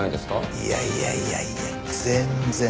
いやいやいやいや全然。